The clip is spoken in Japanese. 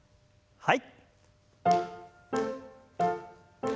はい。